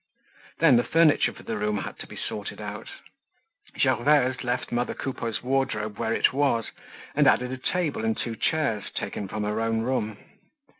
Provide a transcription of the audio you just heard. Then the furniture for the room had to be sorted out. Gervaise left mother Coupeau's wardrobe where it was, and added a table and two chairs taken from her own room.